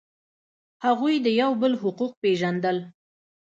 هغوی د یو بل حقوق پیژندل.